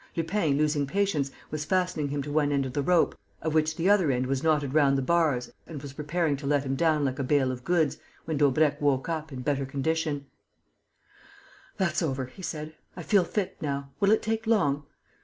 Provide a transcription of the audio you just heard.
Lupin, losing patience, was fastening him to one end of the rope, of which the other end was knotted round the bars and was preparing to let him down like a bale of goods, when Daubrecq woke up, in better condition: "That's over," he said. "I feel fit now. Will it take long?"